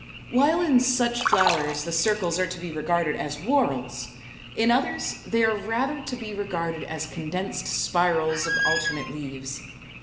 While in such flowers the circles are to be regarded as whorls, in others they are rather to be regarded as condensed spirals of alternate leaves.